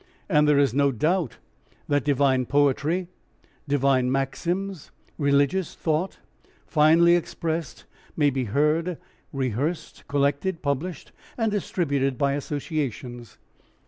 And there is no doubt that divine poetry, divine maxims, religious thought finely expressed, may be heard, rehearsed, collected, published, and distributed by associations.